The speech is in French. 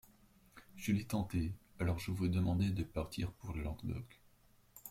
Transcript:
Je l'ai tenté ; alors, je vous demandai de partir pour le Languedoc.